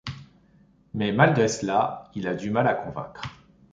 Mais malgré cela, il a du mal à convaincre.